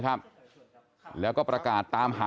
ครับพี่หนูเป็นช้างแต่งหน้านะ